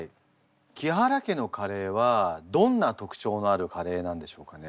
木原家のカレーはどんな特徴のあるカレーなんでしょうかね。